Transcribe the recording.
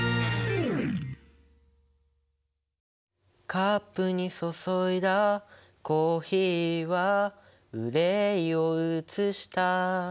「カップに注いだコーヒーは憂いを映した」